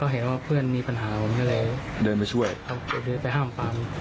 ได้เห็นว่ามีปัญหาเลยจอดลงมาดู